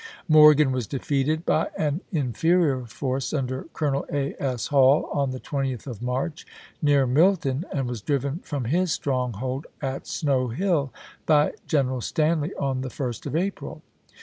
Morgan was defeated by an inferior force under Colonel A. S. Hall on the 20th of March, near Milton, and was driven from his stronghold at Snow Hill by General Stanley on the 1st of April.